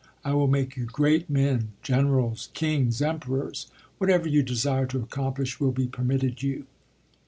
I will make you great men; generals, kings, emperors. Whatever you desire to accomplish will be permitted you."